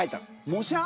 模写！